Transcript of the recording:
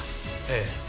ええ。